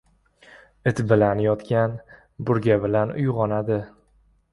• It bilan yotgan burga bilan uyg‘onadi.